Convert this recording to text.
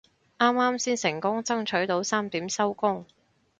啱啱先成功爭取到三點收工